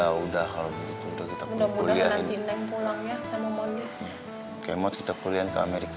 hai ya udah kalau begitu udah kita pulang ya sama moni kemud kita kuliah ke amerika